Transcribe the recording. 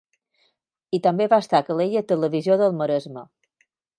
I també va estar a Calella Televisió del Maresme.